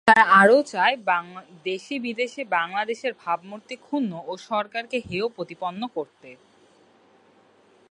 তারা আরও চায় দেশে-বিদেশে বাংলা দেশের ভাবমূর্তি ক্ষুণ্ন এবং সরকারকে হেয়প্রতিপন্ন করতে।